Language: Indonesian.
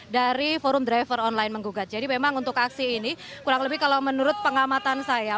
dari forum driver online menggugat jadi memang untuk aksi ini kurang lebih kalau menurut pengamatan saya